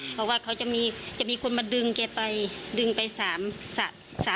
เพราะว่าเขาจะมีคนมาดึงแกไปดึงไป๓องค์มายืนตรงนี้จ้ะ